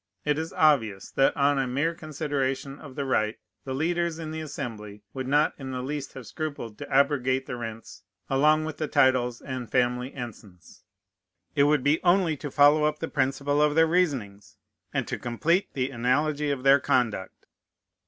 It is obvious, that, on a mere consideration of the right, the leaders in the Assembly would not in the least have scrupled to abrogate the rents along with the titles and family ensigns. It would be only to follow up the principle of their reasonings, and to complete the analogy of their conduct.